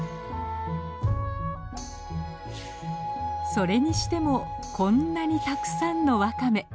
それにしてもこんなにたくさんのワカメ。